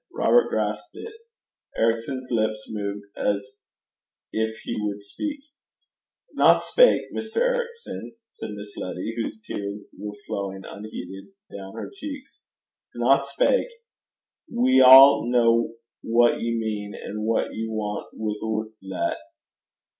Robert grasped it. Ericson's lips moved as if he would speak. 'Dinna speik, Mr. Ericson,' said Miss Letty, whose tears were flowing unheeded down her cheeks, 'dinna speik. We a' ken what ye mean an' what ye want wi'oot that.'